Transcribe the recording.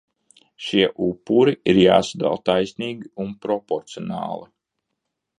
Šie upuri ir jāsadala taisnīgi un proporcionāli.